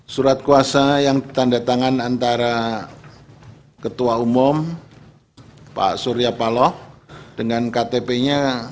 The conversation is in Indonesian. surat kuasa yang ditanda tangan antara ketua umum pak surya paloh dengan ktp nya